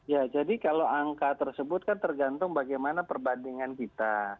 ya jadi kalau angka tersebut kan tergantung bagaimana perbandingan kita